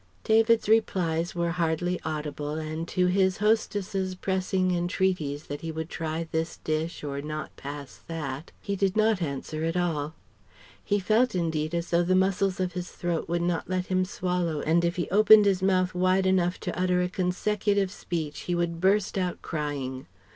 David's replies were hardly audible, and to his hostess's pressing entreaties that he would try this dish or not pass that, he did not answer at all. He felt, indeed, as though the muscles of his throat would not let him swallow and if he opened his mouth wide enough to utter a consecutive speech he would burst out crying.